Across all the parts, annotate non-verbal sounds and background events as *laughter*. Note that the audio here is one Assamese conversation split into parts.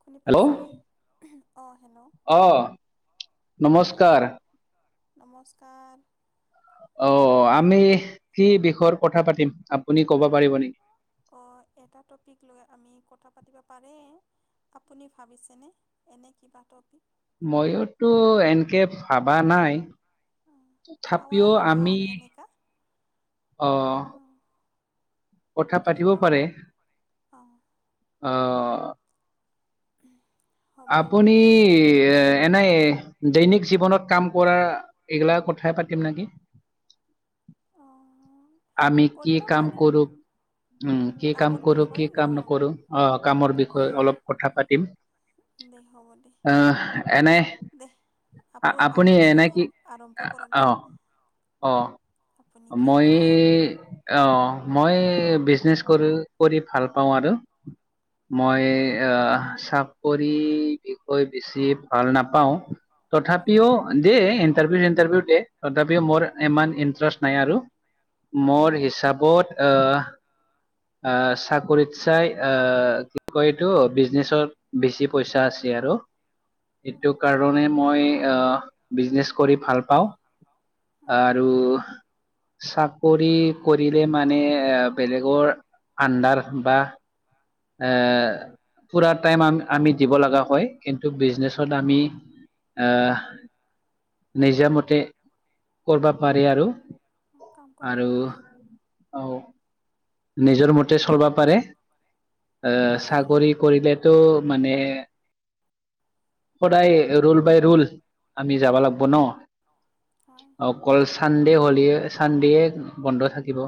শুনি হেল্ল' পাইছে, অ', হেল্ল'। অ অঁ নমস্কাৰ। নমস্কাৰ। অ', আমি কি বিষয়ৰ কথা পাতিম, আপুনি ক'ব পাৰিব নি। অ'। এটা টপিক লৈ আমি কথা পাতিব পাৰে, আপুনি ভাবিছেনে এনে কিবা টপিক। ময়োটো এনকে ভাবা নাই। অঁ খাৱা তথাপিও লোৱা আমি এনেকা অ' অঁ কথা আপুনি পাতিব কওক পাৰে। অঁ অ'। উম। আপুনি এ এনায়ে দৈনিক জীৱনত কাম কৰা এইগিলা কথাই পাতিম নাকি? *inaudible* আমি কি কৰিব কাম পাৰে কৰোঁ উম, কি কাম কামৰ কৰোঁ, বিষয়ে কি ন কাম নকৰোঁ অ' কামৰ বিষয়ে অলপ কথা পাতিম। উম। অ এনে দে আ- আপু আপুনি এনে আপুনিয়ে কি আৰম্ভ কৰক অ দে অ আপুনি কি মই কৰে অ মই বিজনেচ কৰো কৰি ভাল পাওঁ আৰু মই অঁ আহ চাকৰি বিষয়ে বেছি ভাল নাপাওঁ অঁ তথাপিও দে ইণ্টাৰভিউ ইন্টাৰভিউ দে তথাপিও মোৰ অঁ ইমান ইণ্টাৰষ্ট নাই আৰু মোৰ অঁ হিচাপত অহ অ চাকৰিত চাই আহ কি কয় এইটো বিজনেচত বেছি পইচা আছে আৰু সেইটো অঁ কাৰণে মই আহ বিজনেচ কৰি ভাল পাওঁ আৰু চাক কৰি কৰিলে মানে এ বেলেগৰ আন্ডাৰ বা এহ পুৰা টাইম আম আমি দিব লগা হয় কিন্তু বিজনেছত আমি আহ নিজামত এ কৰবা পাৰে কাম আৰু কৰিব আৰু পাৰে অহ নিজৰ মতে চলবা পাৰে এ হয় চাকৰি কৰিলে তো মানে সদায় ৰল বাই ৰোল আমি যাবা লাগব ন অ হয় অকল চানডে হ'লে চানডেত বন্ধ থাকিব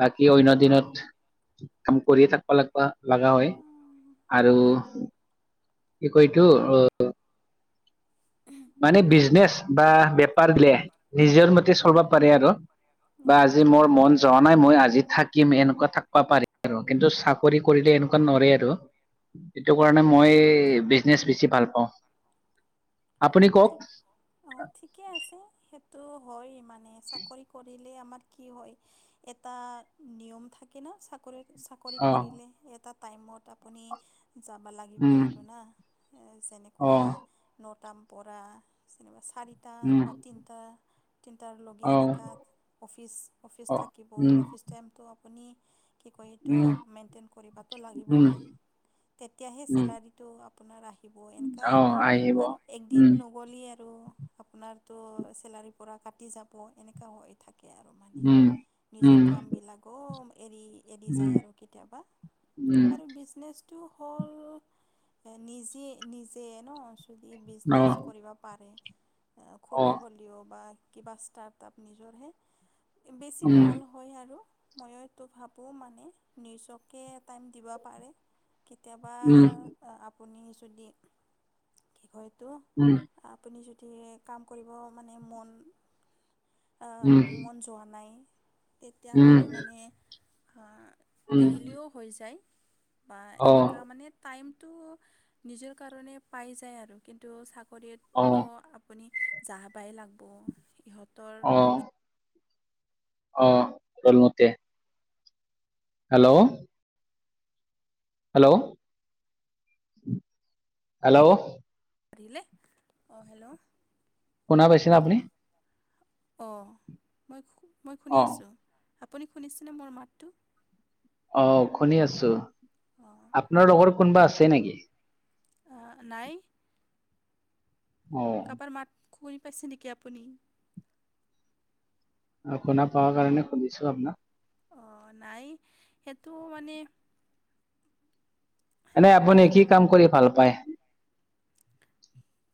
বাকী অন্য দিনত কাম কৰিয়ে থাকিবা লাগবা লাগা হয় আৰু কি কয় এইটো অ মানে বিজনেচ বা বেপাৰ লে নিজৰ মতে চলব পাৰে আৰু বা নিজৰ আজি মতে মোৰ মন যোৱা নাই মই আজি থাকিম এনেকুৱা থাকবা পাৰে কিন্তু চাকৰি কৰিলে এনেকুৱা নঅৰে আৰু সেইটো কাৰণে মই বিজনেচ বেছি ভাল পাওঁ। আপুনি কওক অ', ঠিকে আছে, সেইটো হয় মানে চাকৰি কৰি লে আমাৰ কি হয় এটা নিয়ম থাকে না চাকৰি চাকৰি অ কৰিলে এটা টাইমত আপ আপুনি যাবা লাগিব উম তো না অ যেনেকুৱা ন পতাম পৰা চিনেমা চাৰিটা উম বা তিনিটা তিনিটাৰ লগে অ এনেকা অফিচ অফিচ অ থাকিব উম অফিচ টাইমটো আপুনি কি কয় সেটো উম মেইনটেইন কৰিবাতো উম লাগিবহে তেতিয়াহে চেলাৰীটো আপ আপোনাৰ আহিব উ এনেকুৱা অহ আহিব আৰু একদিন উম নগ'লে আৰু আপোনাৰতো চেলাৰি পৰা কাটি যাব এনেকা হৈ থাক আৰু মানে উম নিজৰ উম কাম বিলাকো এৰি এৰি উম যায় আৰু কেতিয়াবা উম আৰু বিজনেছ টো হ'ল নিজে নিজে ন যদি অ বিজনেছ কৰিব পাৰে আ অ সৰু হ'লেও বা কিবা ষ্টাৰ্ট আপ নিজৰহে। বেছি উম ভাল হয় আৰু। ময় টো ভাবোঁ মানে নিজকে এ টাইম দিব পাৰে। কেতিয়াবা উম আপুনি যদি কি হইটো। উম। আপুনি যদি কাম কৰিব মানে মন আ উম মন যোৱা নাই। তেতিয়া উম আপুনি মানে আ উম নেঘেলিঅ হৈ যায়। বা অ এনেকুৱা মানে টাইমটো নিজৰ কাৰণে পাই যায় আৰু কিন্তু চাক অ কৰিয়েত আপুনি জাহা বাই লাগব ইহঁতৰ অ এনে। অ', *unintelligible* হেল্ল' হেল্ল' হেল্ল' আহিলে, অ, হেল্ল' শুনা পাইছে আপুনি? অ', মই মই শুনি অ আছোঁ, আপুনি শুনিছেনে মোৰ মাতটো? অ', শুনি আছো, অঁ আপোনাৰ লগৰ কোনোবা আছে নেকি? আহ নাই। অ কাবাৰ মাত, খুনি পাইছে নেকি আপুনি? আপোনাক পাৱাৰ কাৰণে সুধিছোঁ আপোনাক। অ', নাই, সেইটো মানে এনেই আপুনি কি কাম কৰি ভাল পায়?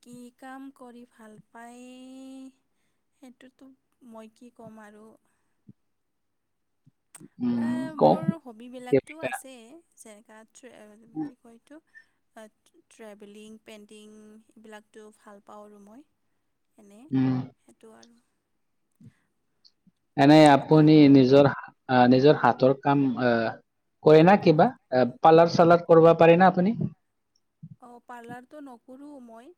কি কাম কৰি ভাল পায় সেইটোতো, মই কি ক'ম আৰু? উম অ', কওক মোৰ হবি বিলাকটো কেইটা। আছে, যেনেকা *unintelligible* কি কয় এইটো? বাট, ট্ৰেভেলিং, পেইণ্টিং এইবিলাকটো ভাল পাওঁ আৰু মই। এনেই, উম সেইটো আৰু। এনে আপুনি নিজৰ আহ নিজৰ হাতৰ কাম আহ কৰে না কিবা, এ পাৰ্লাৰ চালাৰ কৰবা পাৰে না আপুনি? অ', পাৰ্লাৰটো নকৰোঁ মই।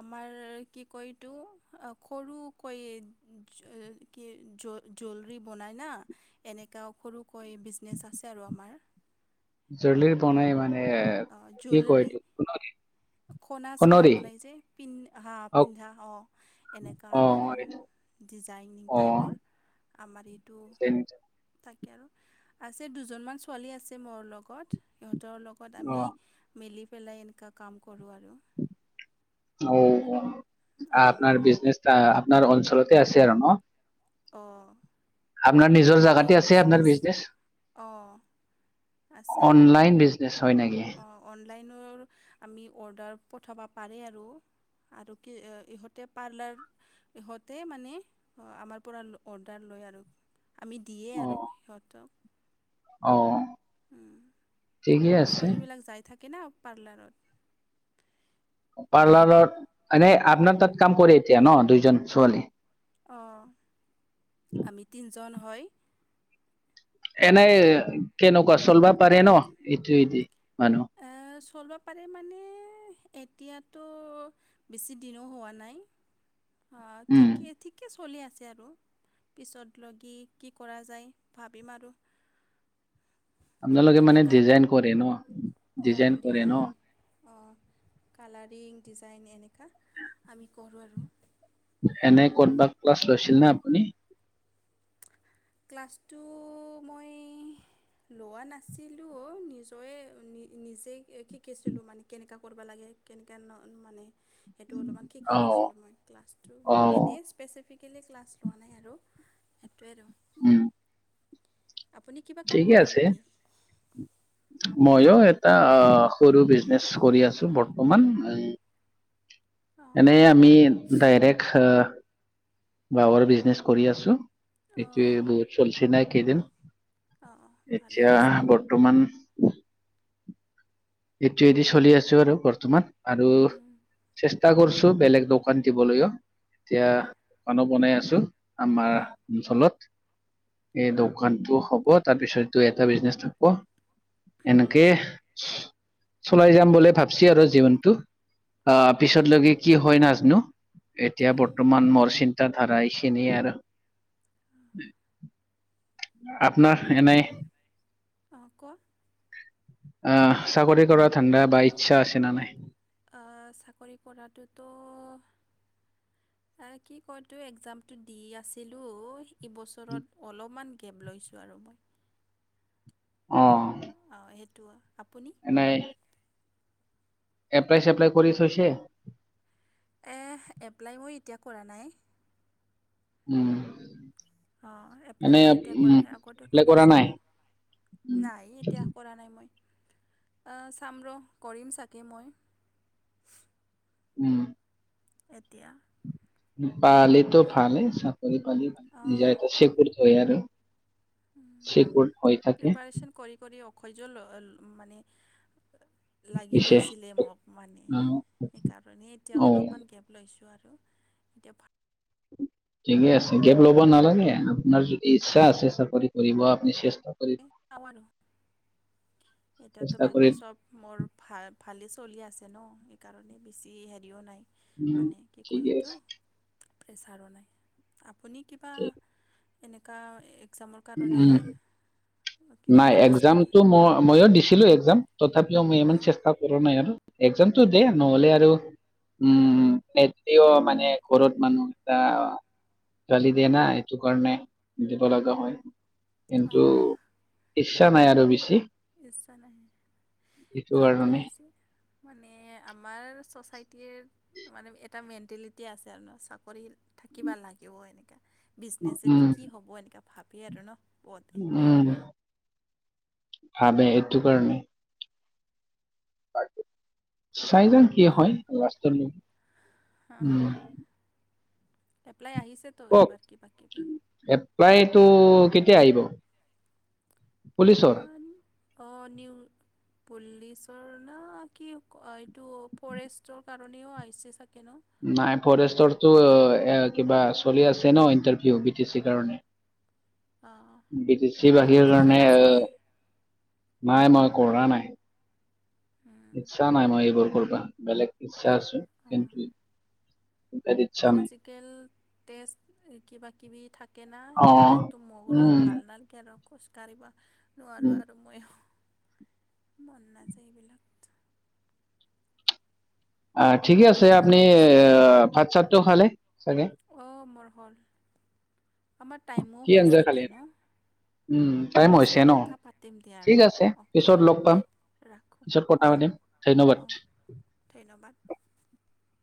আমাৰ কি কয় এইটো, আহ সৰু কৈ *unintelligible* বহুত জৰলি বনাই না, এনেকা সৰুকৈ বিজনেছ আছে আৰু আমাৰ। জৰলিৰ বনাই মানে কি কয় এইটো সোণৰ খোনা চোনা বনাই যে পিন হা অ পিন্ধা অ, এনেকা আৰু। অ ডিজাইনিং অ টাইপৰ, আমাৰ এইটো। যেন তাকে, আছে দুজনমান ছোৱালী আছে মোৰ লগত, সিহঁতৰ লগ অ আমি মিলি পেলাই এনেকা কাম কৰো আৰু। অ ও অঁ আপোনাৰ বিজনেচ চা। আপোনাৰ অঞ্চলতে আছে আৰু ন? অ', আপোনাৰ নিজৰ জাগাতে আছে আপোনাৰ বিজনেছ? অঁ আছে অনলাইন বিজনেচ, হয় নেকি? অ', অনলাইনৰ, আমি অৰ্ডাৰ পঠাবা পাৰে আৰু। আৰু কি ইহঁতে পাৰ্লাৰ, ইহঁতে মানে, আমাৰ পৰা অৰ্ডাৰ ল হৈ আৰু, আমি দিয়ে অ আৰু সিহঁতক। অ উম, ঠিকে আছে ছোৱালীবিলাক যায় থাকে না পাৰ্লাৰত। পাৰ্লাৰত, এনে আপোনাৰ তাত কাম কৰে এতিয়া ন' দুইজন ছোৱালী? অ', আমি তিনিজন হয়। এনে কেনেকুৱা চলবা পাৰে ন' এইটোৱে দি? এ চলবা পাৰে মানে এতিয়া টো, বেছি দিনো হোৱা নাই, আহ উম ঠিকে ঠিকে চ চলি আছে আৰু পিছত লগি কি কৰা যায় ভাবিম আৰু। আপোনালোকে মানে এনেকুৱা আৰু ডিজাইন কৰে ন', ডিজাইন কৰে ন'? অ', কালাৰিং, ডিজাইন এনেকা আমি কৰোঁ আৰু। এনে কৰবাত ক্লাছ লৈছিল নে আপুনি? ক্লাছটো মই লোৱা নাছিলো নিজৰে, নিজেই শিকিছিলোঁ মানে কেনেকা কৰবা লাগে। *unintelligible* সেইটো অলপমান শিকি অ লৈছিলো মই অ ক্লাচটো এনেইে স্পেচিফিক কেলে ক্লাছ লোৱা নাই আৰু সেইটোৱে আৰু। উম। আপুনি কিবা কাম ঠিকে কৰে আছে নেকি? মইও এটা সৰু বিজনেছ কৰি আছো বৰ্তমান। অঁ এনে আমি ডাইৰেক্ট বাৱৰ বিজনেচ কৰি আছো। অঁ এইটো অঁ বহুত চলছি নাই কেইদিন। অঁ ভালেই এতিয়া আছে বৰ্তমান এইটো এদি চলি আছো আৰু বৰ্তমান আৰু অঁ চেষ্ট- টা কৰিছো বেলেগ দোকান দিবলৈও এতিয়া অঁ দোকানো বনাই আছো। আমাৰ উম, অঞ্চলত। এই দোকানতটো হ'ব তাৰপিছতটো এটা বিজনেচ থাক'ব। এনেকে চলাই যাম বুলি ভাবছি আৰু জীৱনটো অঁ পিছলৈকে কি হয় নাজানো। এতিয়া অঁ বৰ্তমান মোৰ চিন- এটা ধাৰাইছিনে আৰু আপোনাৰ হ'ব এনেই অঁ কোৱা আহ চাকৰি কৰা ঠাণ্ডা বা ইচ্ছা আছে ন নাই? চাকৰি কৰাটোতো কি কয় ত একজামটো দি আছিলো। এইবছৰত অলপমান গেপ লৈছোঁ আৰু মই। অ সেইটো আপুনি এ নাই। এপ্লাই চেপ্লাই কৰি থৈচে। এপ্লাই মই এতিয়া কৰা নাই। উম। অ এপ্লাই এনে মই এতিয়া কৰা উম নাই আগতে এপ্লাই কৰা নাই কৰিছিলোঁ। উম নাই এতিয়া কৰা নাই মই। অ' চাম ৰ'। কৰিম চাগে মই। উম। এতিয়া পালেতো ভালেই চাকৰি পালি নিজ অঁ এটা চেকুৰ থয় আৰু। চেকুৰ হৈ থাকে। খৈযল অল মানে লাগি পিছে গৈছিলে মোক মানে অ সেইকাৰণে এতিয়া অ অলপমান গেপ লৈছোঁ আৰু। এতিয়া ভত- ঠিকে আছে গেপ ল'ব নালাগে আপোনাৰ যদি ইচ্ছা আছে চাকৰি কৰিব আপুনি চেষ্ট- *unintelligible* চেষ্টা কৰি বাকী চব মোৰ ভা ভালিছ চলি আছে ন সেইকাৰণে বেছি হেৰিও নাই। উম মানে কি কয় ঠিকে এইটো আছে। প্ৰেছাৰো নাই আপুনি কিবা ঠিক। এনেকা এক। এক্সামৰ কাৰণে উম, কিবা নাই কৰি আছে নেকি একজামতটো মই মইয়ো দিছিলো একজাম তথাপিও মই ইমান অঁ চেষ্টা কৰা নাই আৰু। এক্সামতো দে নহলে আৰু। উম তেততেও মানে ঘৰত মানুহ এটা গালি দিয়ে না এইটো কাৰণে দিব লগা হয়। কিন্তু অঁ ইচ্ছা নাই আৰু বেছি। ইচ্ছা নাই এইটো ঠিকে কাৰণে আছে মানে আমাৰ স্ব- চাইটিৰ মানে এটা মেণ্টেলিটি আছে আৰু ন চাকৰি থাকিবা লাগিব এনেকা। বিজনেচ এদি উম, কি হ'ব এনেকা ভাৱে আৰু ন বহুতে ভাৱে এইটো কাৰণে। চাইলও কি হয় কি লাষ্টলেও অ'। কওক। কিবি এপ্লাইটো কেতিয়া আহিব? পুলিচৰ। অ' নিউ পুলিচৰ না কি ক- অ'- এইটো ফৰেষ্টৰ কাৰণেও আহিছে চাগে ন' নাই, ফৰেষ্টৰতো এ- কিবা চলি আছে ন' ইণ্টাৰভিউ, বি টি চিৰ কাৰণে। অঁ বিদেশী বাহিৰ আপুনি কৰা কাৰণে নাছিলে অ' নাই, মই কৰা নাই। অঁ ইচ্ছা নাই মোৰ এইবোৰ কৰবা। বেলেগ ইচ্ছা আছে কিন্তু ইয়াত ইচ্ছা নাই। ফিজিকেল টেষ্ট কিবা-কিবি থাক কেনা, অ সেইবিলাকতো মোৰো উম ভাল নালগে আৰু। খোজকাঢ়িবা নোৱাৰোঁ উম আৰু ময়ো। মন নাযায় এইবিলাক। অ' ঠিকে আছে। ভাগদৌৰ কৰি আপুনি আছে অ'- ভাত-চাতটো খালে চাগে? অঁ মোৰ হ'ল। আমাৰ টাইমো কি আঞ্জা হৈছে খালে? দে ন'? উম, টাইম হৈছে পিছত ন'? কথা পাতিম দে ঠিক আৰু আছে। অ'কে পিছত লগ পাম। দে ৰাখোঁ পিছত কথা দে পাতিম। ধন্যবাদ। অঁ ধন্যবাদ *inaudible*